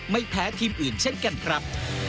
ไม่แพ้ทีมอื่นเช่นกันครับ